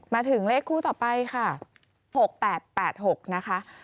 มาถึงเลขคู่ต่อไปค่ะ๖๘๘๖นะคะ